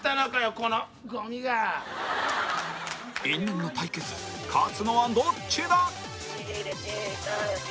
この因縁の対決勝つのはどっちだ？